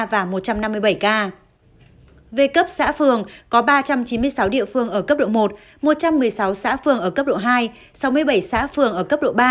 về cấp xã phường có ba trăm chín mươi sáu địa phương ở cấp độ một một trăm một mươi sáu xã phường ở cấp độ hai sáu mươi bảy xã phường ở cấp độ ba